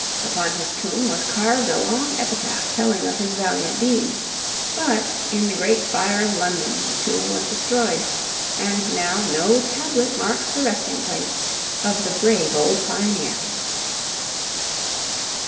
Upon his tomb was carved a long epitaph telling of his valiant deeds. But in, the great Fire of London the tomb was destroyed, and now no tablet marks the resting place of the brave old pioneer.